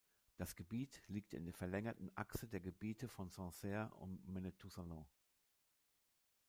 Das Gebiet liegt in der verlängerten Achse der Gebiete von Sancerre und Menetou-Salon.